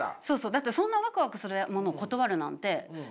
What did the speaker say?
だってそんなワクワクするものを断るなんて人生もったいない。